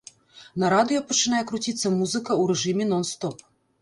На радыё пачынае круціцца музыка ў рэжыме нон-стоп.